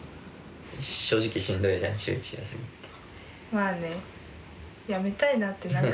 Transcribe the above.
まあね。